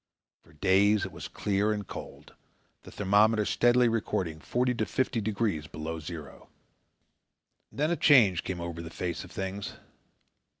For days it was clear and cold, the thermometer steadily recording forty to fifty degrees below zero. Then a change came over the face of things.